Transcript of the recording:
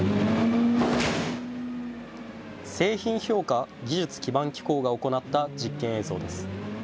製品評価技術基盤機構が行った実験映像です。